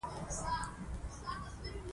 په دې طبقه کې ریګ قیر او منرالي پوډر استعمالیږي